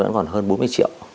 vẫn còn hơn bốn mươi triệu